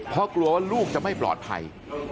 เพราะกลัวว่าลูกจะไม่ปลอดภัย